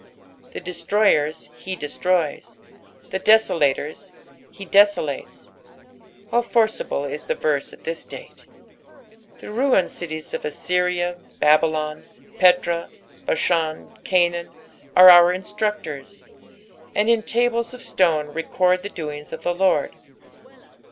The destrojers he destroys, the desolatora he 'desolates. How forcible is the Terse at this date I The ruined cities of Ajtajna, BabyloD, Petra, Basbsn, Canaan, are our instructors, and in tables of stone record the doings of the Lord.